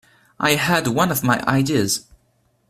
I had had one of my ideas.